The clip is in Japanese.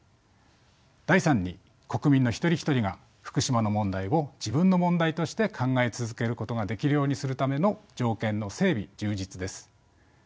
第３に国民の一人一人が福島の問題を自分の問題として考え続けることができるようにするための条件の整備・充実です。